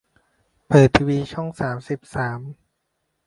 เปิดทีวีช่องสามสิบสาม